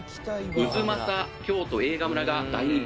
太秦京都映画村が大人気なんです」